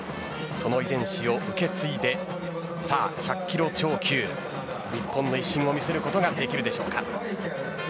その遺伝子を受け継いで１００キロ超級、日本の威信を見せることができるでしょうか。